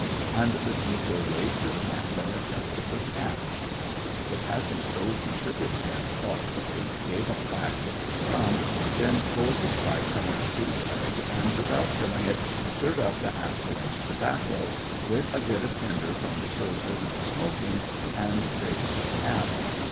And the speaker waved his hand and adjusted his cap. The passing soldier shook his head thought fully, gave a clack with his tongue, then pulled his pipe from his boot leg, and, without filling it, stirred up the half burned tobacco, lit a bit of tinder from the soldier who was smoking, and raised his cap.